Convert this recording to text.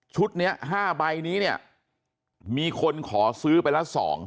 ชุดนี้๕ใบนี้มีคนขอซื้อไปละ๒